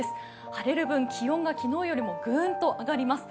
晴れる分、気温が昨日よりぐーんと上がります。